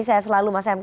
saya selalu mas m k